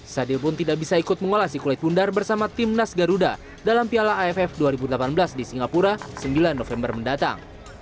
sadil pun tidak bisa ikut mengolah si kulit bundar bersama timnas garuda dalam piala aff dua ribu delapan belas di singapura sembilan november mendatang